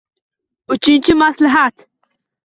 Uchinchi maslahat.